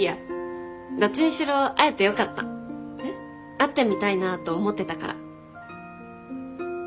会ってみたいなと思ってたから。